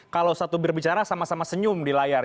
kalau satu berbicara sama sama senyum di layar